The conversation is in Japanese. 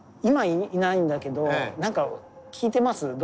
今いないんだけどなんか聞いてます？